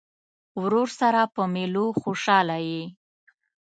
ورور سره په مېلو خوشحاله یې.